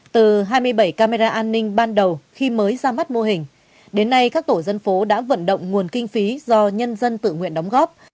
từ hai mươi bảy camera an ninh ban đầu khi mới ra mắt mô hình đến nay các tổ dân phố đã vận động nguồn kinh phí do nhân dân tự nguyện đóng góp